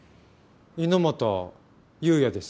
猪俣悠也です。